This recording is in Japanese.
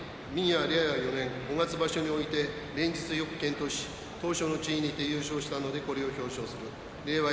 令和４年五月場所において連日よく健闘し頭書の地位にて優勝したのでこれを表彰する令和